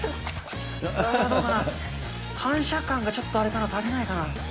反射感がちょっとあれかな、足りないかな。